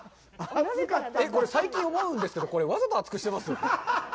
これ、最近思うんですけど、わざと熱くしてます！？